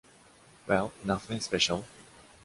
Well, nothing special.